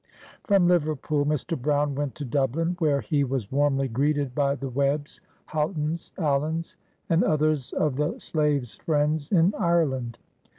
" From Liverpool, Mr. Brown went to Dublin, where lie was warmly greeted by the Webbs, Haughtons, Aliens, and others of the slave's friends in Ireland.